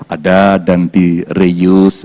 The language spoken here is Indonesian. ada yang direuse